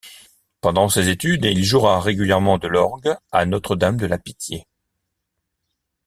Pendant ses études, il jouera régulièrement de l’orgue à Notre-Dame de la Pitié.